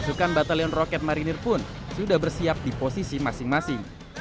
pasukan batalion roket marinir pun sudah bersiap di posisi masing masing